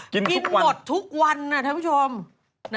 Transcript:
กินทุกวันนะท่านผู้ชมนั่น